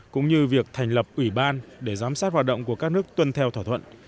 cũng như việc thành lập ủy ban để giám sát hoạt động của các nước tuân theo thỏa thuận